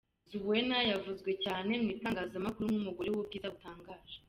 Zuena yavuzwe cyane mu itangazamakuru nk’umugore w’ubwiza butangaje.